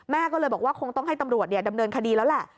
แม่ก็เลยบอกว่าคงต้องให้ตำรวจดำเนินคดีแล้วแหละ